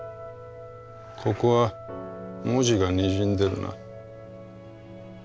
ここは文字がにじんでるな。